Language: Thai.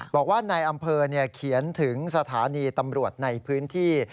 บอกว่าในอำเภอเขียนถึงสถานีตำรวจในพื้นที่